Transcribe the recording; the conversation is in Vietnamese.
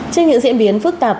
trên những diễn biến phức tạp